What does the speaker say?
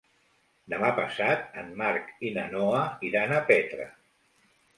Demà passat en Marc i na Noa iran a Petra.